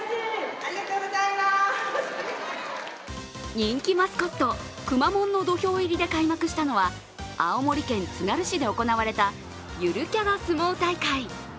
人気マスコット、くまモンの土俵入りで開幕したのは青森県つがる市で行われたゆるキャラすもう大会。